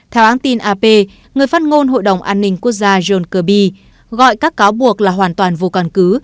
theo hãng tin ap người phát ngôn hội đồng an ninh quốc gia john kirby gọi các cáo buộc là hoàn toàn vô căn cứ